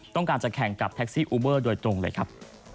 ต้องการจะแข่งกับแท็กซี่อูเบอร์โดยตรงเลยครับ